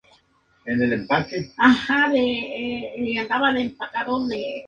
Mel Blanc y Arthur Q. Bryan hacen las voces, incluyendo el canto.